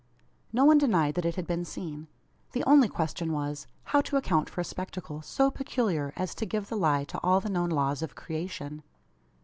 No one denied that it had been seen. The only question was, how to account for a spectacle so peculiar, as to give the lie to all the known laws of creation.